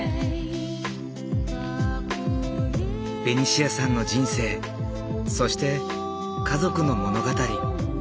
ベニシアさんの人生そして家族の物語。